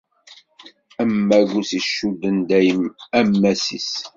Am wagus icudden dayem ammas-is.